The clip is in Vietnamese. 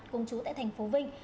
cùng chú tại thành phố vinh